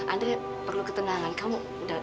andri perlu ketenangan kamu